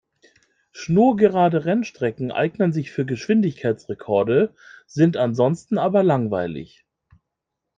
Schnurgerade Rennstrecken eignen sich für Geschwindigkeitsrekorde, sind ansonsten aber langweilig.